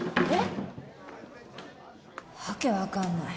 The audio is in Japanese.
訳分かんない。